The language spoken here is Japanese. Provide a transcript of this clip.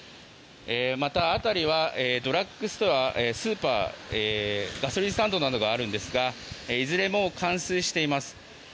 また、辺りはドラッグストアスーパーガソリンスタンドなどがあるんですがいずれも冠水しています。